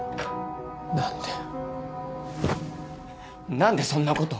何でそんなこと？